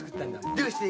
どうして？